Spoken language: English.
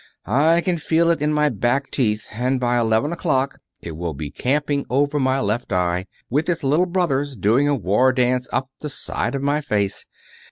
I can feel it in my back teeth, and by eleven o'clock it will be camping over my left eye, with its little brothers doing a war dance up the side of my face.